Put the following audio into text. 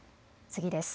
次です。